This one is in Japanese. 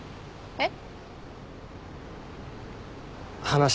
えっ？